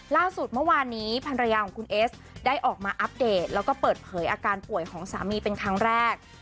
ล่าสุดเมื่อวานนี้ภรรยาของคุณเอสได้ออกมาอัปเดตแล้วก็เปิดเผยอาการป่วยของสามีเป็นครั้งแรก